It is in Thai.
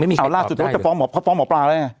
ช่วงนี้ไม่มีใครถอบได้